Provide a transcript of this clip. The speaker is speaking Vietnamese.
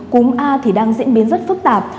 cúm a thì đang diễn biến rất phức tạp